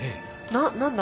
何だ？